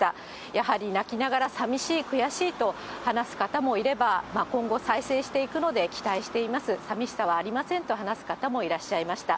やはり泣きながら、さみしい、悔しいと話す方もいれば、今後、再生していくので、期待しています、さみしさはありませんと話す方もいらっしゃいました。